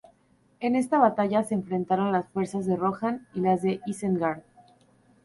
En esta batalla se enfrentaron las fuerzas de Rohan y las de Isengard.